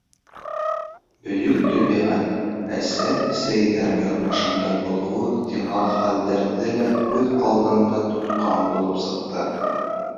Бөйөк Тәбиғәт-Әсә бесәйҙәр яҙмышында булыуы ихтимал хәлдәрҙе лә күҙ алдында тотҡан булып сыҡты.